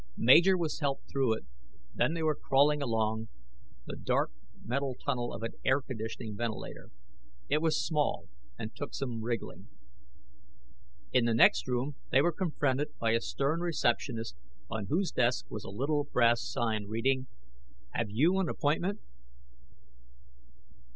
Major was helped through it, then they were crawling along the dark metal tunnel of an air conditioning ventilator. It was small, and took some wriggling. In the next room, they were confronted by a stern receptionist on whose desk was a little brass sign, reading: "Have you an appointment?"